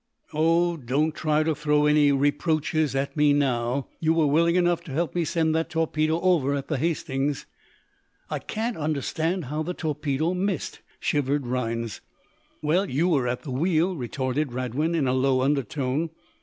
"Oh, don't try to throw any reproaches at me, now. You were willing enough to help me send that torpedo over at the 'Hastings.'" "I can't understand how the torpedo missed," shivered Rhinds. "Well, you were at the wheel," retorted Radwin in a low undertone.